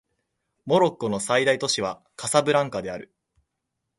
モロッコの最大都市はカサブランカである